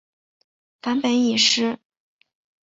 梵本已失。